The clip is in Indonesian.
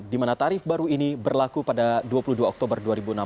di mana tarif baru ini berlaku pada dua puluh dua oktober dua ribu enam belas